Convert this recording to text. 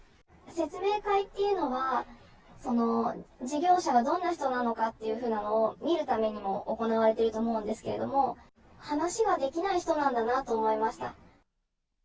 説明会っていうのは、事業者がどんな人なのかというふうなのを見るためにも行われていると思うんですけれども、話ができない人なんだなと思いました。